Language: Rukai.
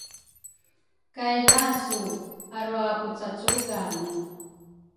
kay lasu arwapucacugane.